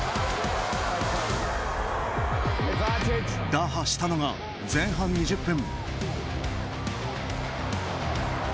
打破したのが前半２０分。